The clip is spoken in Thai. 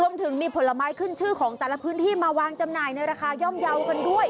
รวมถึงมีผลไม้ขึ้นชื่อของแต่ละพื้นที่มาวางจำหน่ายในราคาย่อมเยาว์กันด้วย